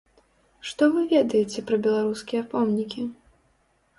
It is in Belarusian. Што вы ведаеце пра беларускія помнікі?